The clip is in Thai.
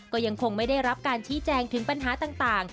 ก็ยังคงไม่ได้รับการชี้แจงถึงปัญหาต่าง